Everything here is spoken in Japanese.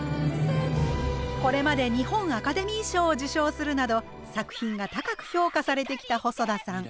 これまで日本アカデミー賞を受賞するなど作品が高く評価されてきた細田さん。